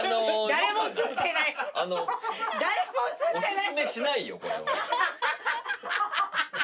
誰も写ってないじゃん。